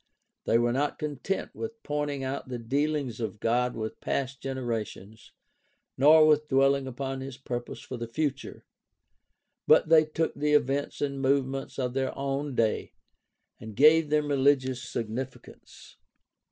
They were not content with pointing out the dealings of God with past generations nor with dwelhng upon his purpose for the future; but they took the events and movements of their own day and gave them religious significance.